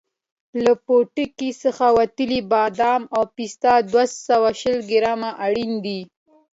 له پوټکي څخه وتلي بادام او پسته دوه سوه شل ګرامه اړین دي.